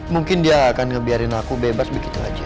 mungkin dia akan ngebiarin aku bebas begitu aja